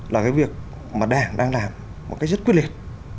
là cái việc mà đảng đang làm một cách rất quyết liệt